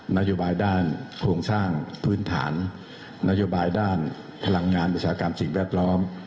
นโยบายด้านโครงสร้างพื้นฐานนโยบายด้านพลังงานอุตสาหกรรมสิ่งแวดล้อม